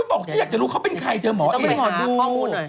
ไม่อยากจะรู้เขาเป็นใครเจอหมอเอกเหรอดู